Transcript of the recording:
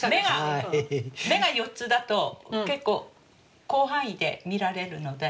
目が４つだと結構広範囲で見られるので。